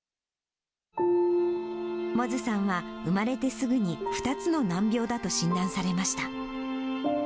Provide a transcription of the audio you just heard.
百舌さんは、産まれてすぐに２つの難病だと診断されました。